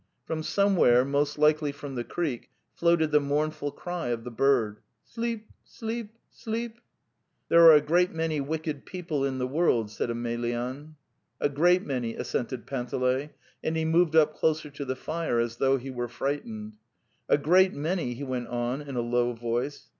From somewhere, most likely from the creek, floated the mournful cry of the bird: "Sleep! sleep! sleep!" "There are a great many wicked people in the world," said Emelyan. '"A great many,' assented Panteley, and he moved up closer to the fire as though he were fright ened. "A great many," he went on in a low voice.